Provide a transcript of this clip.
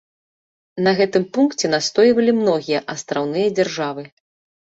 На гэтым пункце настойвалі многія астраўныя дзяржавы.